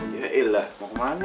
ya ilah mau ke mana